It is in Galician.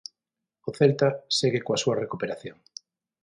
O Celta segue coa súa recuperación.